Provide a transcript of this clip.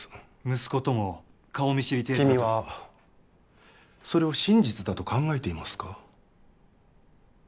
息子とも顔見知り程度君はそれを真実だと考えていますか？